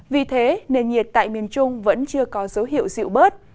vì thế nền nhiệt tại miền trung vẫn chưa có dấu hiệu dịu bớt